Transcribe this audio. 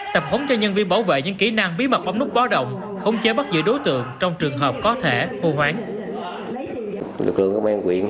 tập huấn cho nhân viên bảo vệ những kỹ năng bí mật bóng nút bó động không chế bất giữ đối tượng trong trường hợp có thể vô hoán